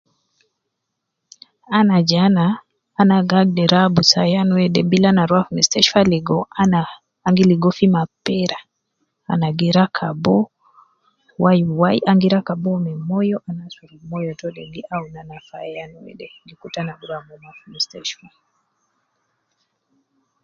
Ana je ana, ana gi agder abus ayan wede bila ana rua fi mustashtfa ligo ana, an gi ligo fi mapera, ana gi rakabu wai wai, an gi rakab uwo me moyo ana asurub moyo to de gi awun ana fi ayan wede, gi kutu ana gi rua mo ma fi mustashtfa